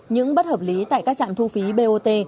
những bất hợp lý tại các trạm thu phí bot